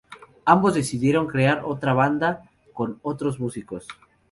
Ambos decidieron crear otra banda, con otros músicos.